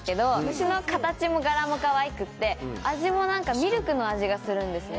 牛の形も柄もかわいくって味もミルクの味がするんですね。